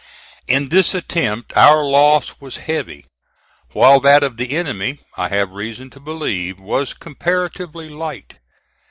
In this attempt our loss was heavy, while that of the enemy, I have reason to believe, was comparatively light.